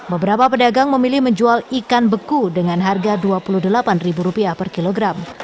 beberapa pedagang memilih menjual ikan beku dengan harga rp dua puluh delapan per kilogram